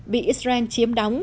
bị israel chiếm đóng